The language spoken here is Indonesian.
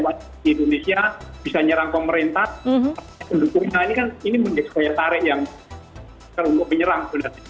waktu di indonesia bisa nyerang pemerintah pendukungnya ini kan ini menjadi daya tarik yang terlalu banyak menyerang